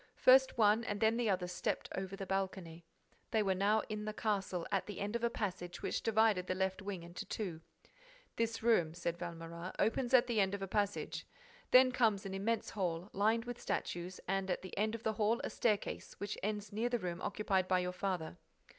First one and then the other stepped over the balcony. They were now in the castle, at the end of a passage which divided the left wing into two. "This room," said Valméras, "opens at the end of a passage. Then comes an immense hall, lined with statues, and at the end of the hall a staircase which ends near the room occupied by your father."